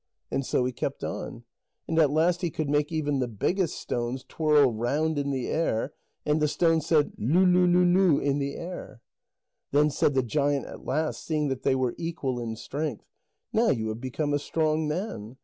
And so he kept on. And at last he could make even the biggest stones twirl round in the air, and the stone said "leu leu leu leu" in the air. Then said the giant at last, seeing that they were equal in strength: "Now you have become a strong man.